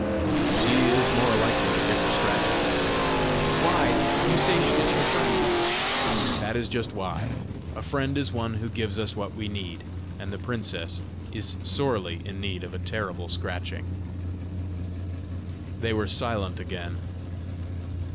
"She is more likely to give her scratches!" "Why? You say she is her friend!" "That is just why. A friend is one who gives us what we need, and the princess is sorely in need of a terrible scratching." They were silent again.